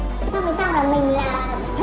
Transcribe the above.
xong rồi sau là mình là phải đánh hộ nó